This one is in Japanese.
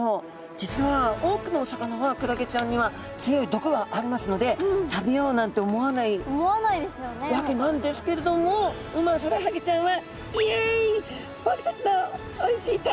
実は多くのお魚はクラゲちゃんには強い毒がありますので食べようなんて思わないわけなんですけれどもウマヅラハギちゃんは。